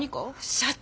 社長！